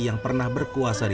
yang pernah berkuasa